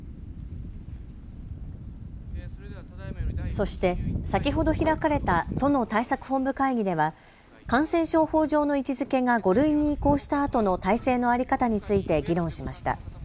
そして先ほど開かれた都の対策本部会議では感染症法上の位置づけが５類に移行したあとの体制の在り方について議論しました。